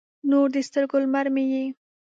نور د سترګو، لمر مې یې